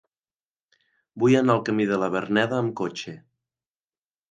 Vull anar al camí de la Verneda amb cotxe.